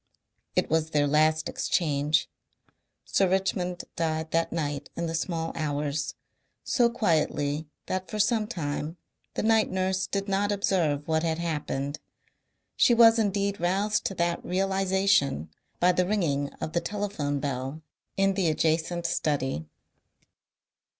It was their last exchange. Sir Richmond died that night in the small hours, so quietly that for some time the night nurse did not observe what had happened. She was indeed roused to that realization by the ringing of the telephone bell in the adjacent study.